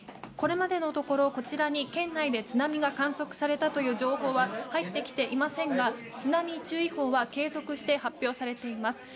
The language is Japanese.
これまでのところ、こちらに県内で津波が観測されたという情報は入ってきていませんが津波注意報は継続して発表されています。